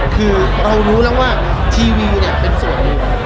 คือเรารู้แล้วว่าทีวีเนี่ยเป็นส่วนหนึ่ง